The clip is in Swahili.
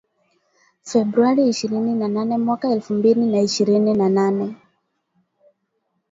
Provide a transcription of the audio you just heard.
Februari ishirini na nane mwaka elfu mbili na ishirini na nane